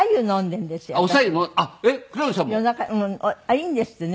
いいんですってね。